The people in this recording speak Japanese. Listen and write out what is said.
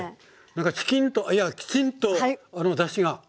なんかチキンといやきちんとだしが。